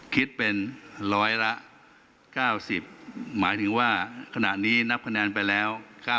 คิดเป็นร้อยละ๙๐หมายถึงว่าขณะนี้นับคะแนนไปแล้ว